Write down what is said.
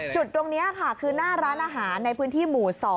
จุดตรงนี้ค่ะคือหน้าร้านอาหารในพื้นที่หมู่๒